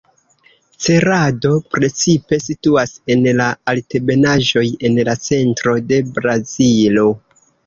Cerado precipe situas en la altebenaĵoj en la centro de Brazilo.